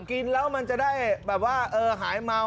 กินแล้วมันจะได้แบบว่าหายเมา